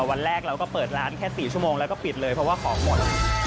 วันแรกเราก็เปิดร้านแค่๔ชั่วโมงแล้วก็ปิดเลยเพราะว่าของหมด